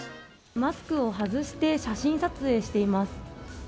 マスクを外して写真撮影しています。